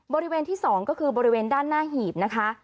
บริเวณที่๒ก็คือบริเวณด้านหน้าหีบนะคะ